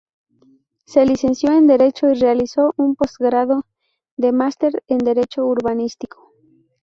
Se licenció en Derecho y realizó un postgrado de máster en Derecho Urbanístico.